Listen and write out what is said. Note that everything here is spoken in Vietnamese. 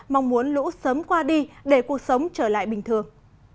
mong muốn lũ sớm qua đi để cuộc sống trở lại bình thường